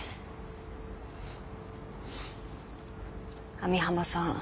網浜さん